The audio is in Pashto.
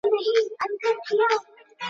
لا د ځان سره مي وړي دي دامونه